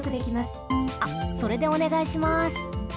あっそれでおねがいします。